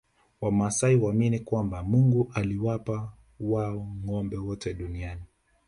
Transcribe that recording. Wamasai huamini kwamba Mungu aliwapa wao ngombe wote duniani